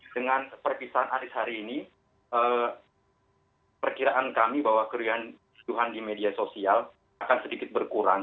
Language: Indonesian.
dengan perpisahan anies hari ini perkiraan kami bahwa keriuhan di media sosial akan sedikit berkurang